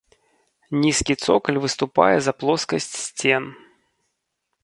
Нізкі цокаль выступае за плоскасць сцен.